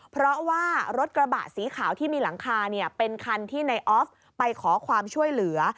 เพราะว่ารถกระบะสีขาวที่มีหลังคาเป็นคันที่ในออฟไปขอความช่วยเหลือ